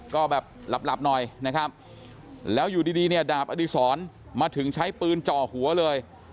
ก็แบบหลับหน่อยนะครับแล้วอยู่ดีเนี่ยดาบอดีศรมาถึงใช้ปืนจ่อหัวเลย